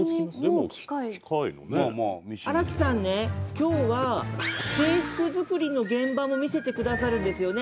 今日は制服作りの現場も見せてくださるんですよね？